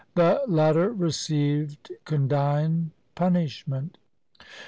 The latter received condign punishment.